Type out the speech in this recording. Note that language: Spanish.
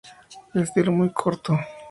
Estilo muy corto.